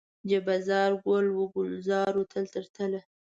جبه زار، ګل و ګلزار و تل تر تله